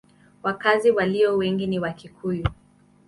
Wakazi walio wengi ni Wakikuyu.